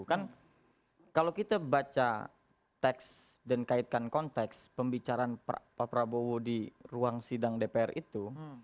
kan kalau kita baca teks dan kaitkan konteks pembicaraan pak prabowo di ruang sidang dpr itu